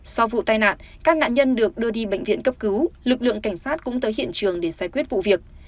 sau vụ tai nạn các nạn nhân được đưa đi bệnh viện cấp cứu lực lượng cảnh sát cũng tới hiện trường để giải quyết vụ việc